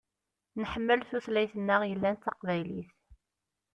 Nḥemmel tutlayt-nneɣ yellan d taqbaylit.